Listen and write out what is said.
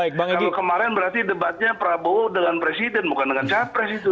kalau kemarin berarti debatnya prabowo dengan presiden bukan dengan capres itu